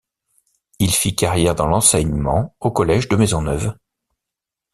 Il fit carrière dans l’enseignement au Collège de Maisonneuve.